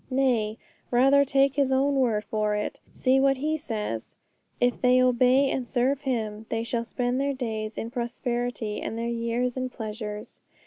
Nay, rather take His own word for it; see what He says: 'If they obey and serve Him, they shall spend their days in prosperity, and their years in pleasures.'